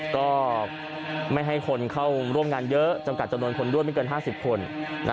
ก็ไม่ให้คนเข้าร่วมงานเยอะจำกัดจำนวนคนด้วยไม่เกิน๕๐คน